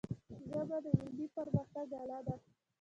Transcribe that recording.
ژبه د علمي پرمختګ آله ده.